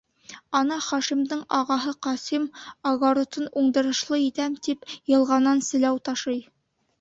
Ана, Хашимдың ағаһы Ҡасим, огоротын уңдырышлы итәм тип йылғанан селәү ташый.